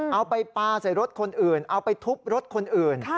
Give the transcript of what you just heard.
เอาไปปลาใส่รถคนอื่นเอาไปทุบรถคนอื่น